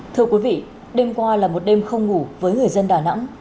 thưa quý vị đêm qua là một đêm không ngủ với người dân đà nẵng